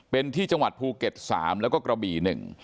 เป็นที่จังหวัดภูเก็ต๓แล้วก็กระบี่๑